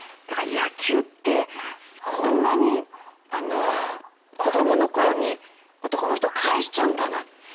だから野球ってこんなに子どもの頃に男の人を帰しちゃうんだな。